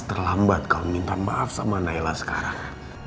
terlambat kau minta maaf sama naila sekarang